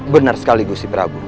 benar sekali gusipra